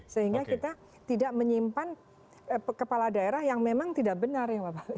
sehingga kita tidak menyimpan kepala daerah yang memang tidak benar ya pak bapak